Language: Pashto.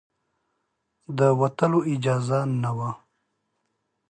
د وتلو اجازه نه وه.